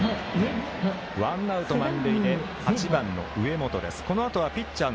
ワンアウト、満塁で８番の上本です。